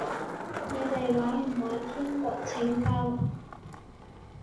你哋玩唔玩天國拯救？